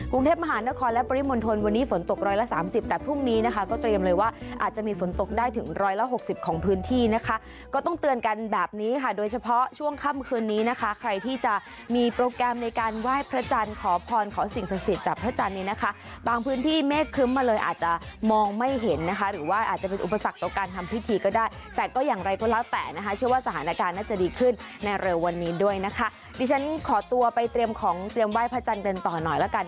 วงเทพมหานครและปริมนธนวันนี้ฝนตกร้อยละสามสิบแต่พรุ่งนี้นะคะก็เตรียมเลยว่าอาจจะมีฝนตกได้ถึงร้อยละหกสิบของพื้นที่นะคะก็ต้องเตือนกันแบบนี้ค่ะโดยเฉพาะช่วงค่ำคืนนี้นะคะใครที่จะมีโปรแกรมในการไหว้พระจันขอพรขอสิ่งสังสิทธิ์จากพระจันนี้นะคะบางพื้นที่เมฆครึ้มมาเลยอาจจะมองไม่เห็นนะคะ